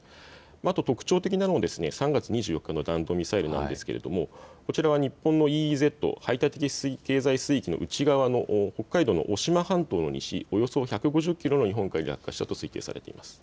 特徴的なのが３月２４日の弾道ミサイルなんですけどもこちらは日本のＥＥＺ・排他的経済水域の内側の北海道の渡島半島の西およそ１５０キロの日本海に落下したと推定されています。